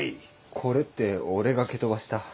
これって俺が蹴飛ばした。